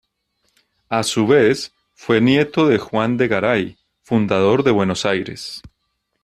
A su vez, fue nieto de Juan de Garay, fundador de Buenos Aires.